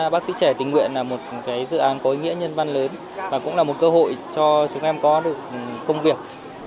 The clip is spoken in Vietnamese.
bác sĩ trẻ tình nguyện là một dự án có ý nghĩa nhân văn lớn và cũng là một cơ hội cho chúng em có được công việc